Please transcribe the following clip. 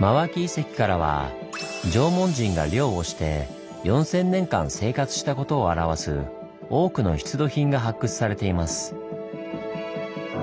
真脇遺跡からは縄文人が漁をして４，０００年間生活したことをあらわす多くの出土品が発掘されています。